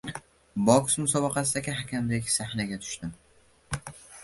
Boks musobaqasidagi hakamdek sanashga tushdim: